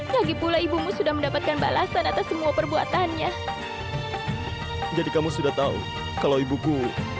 lagi pula ibumu sudah mendapatkan balasan atas semua perbuatannya jadi kamu sudah tahu kalau ibuku